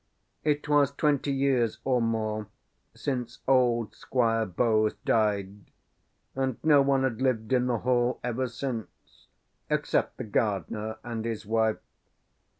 It was twenty years, or more, since old Squire Bowes died, and no one had lived in the Hall ever since, except the gardener and his wife.